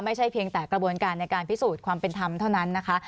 เพียงแต่กระบวนการในการพิสูจน์ความเป็นธรรมเท่านั้นนะคะ